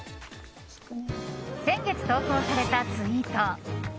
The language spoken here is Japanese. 先月投稿されたツイート。